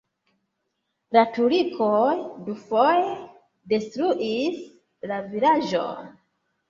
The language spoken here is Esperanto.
La turkoj dufoje detruis la vilaĝon.